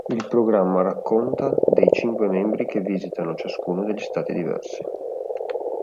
Il programma racconta dei cinque membri che visitano ciascuno degli Stati diversi.